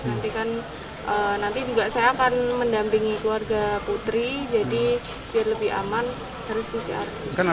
nanti kan nanti juga saya akan mendampingi keluarga putri jadi biar lebih aman harus pcr